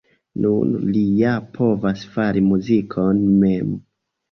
Nun li ja povos fari muzikon mem.